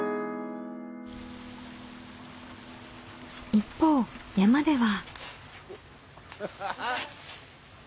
一方山では。